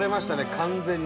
完全に。